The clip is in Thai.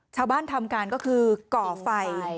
ชาวบ้านทำการก็คือก่อไฟ